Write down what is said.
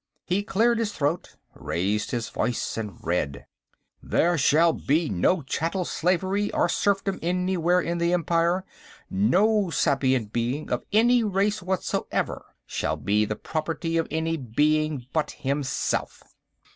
He cleared his throat, raised his voice, and read: "_There shall be no chattel slavery or serfdom anywhere in the Empire; no sapient being, of any race whatsoever, shall be the property of any being but himself.